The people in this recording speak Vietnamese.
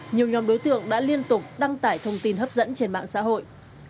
nhiều nhóm đối tượng đã liên tục đăng tải thông tin hấp dẫn trên mạng xã hội